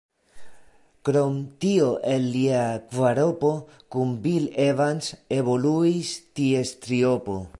Krom tio el lia kvaropo kun Bill Evans evoluis ties triopo.